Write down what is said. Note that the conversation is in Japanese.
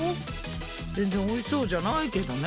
全然おいしそうじゃないけどね。